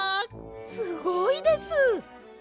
すごいです！